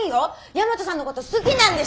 大和さんのこと好きなんでしょ！？